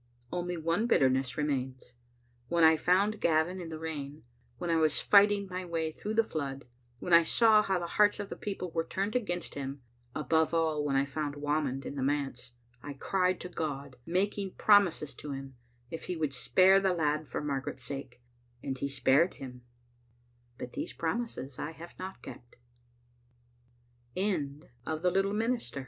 Only one bitterness remains. When I found Gavin in the rain, when I was fighting my way through the flood, when I saw how the hearts of the people were turned against him — above all, when I found Whamond in the manse — I cried to God, making promises to Him, if He would spare the lad for Margaret's sake, and He spare<^ him ; but